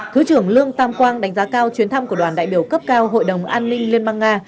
thứ trưởng lương tam quang đánh giá cao chuyến thăm của đoàn đại biểu cấp cao hội đồng an ninh liên bang nga